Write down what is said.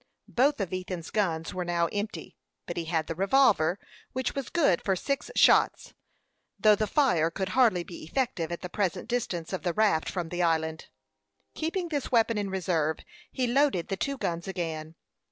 Both of Ethan's guns were now empty; but he had the revolver, which was good for six shots, though the fire could hardly be effective at the present distance of the raft from the island. Keeping this weapon in reserve, he loaded the two guns again.